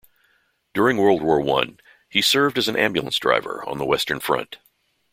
During World War I, he served as an ambulance driver on the Western Front.